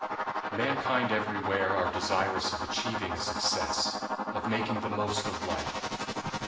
] Mankind every where are desirous of achieving a success, of making the most of life.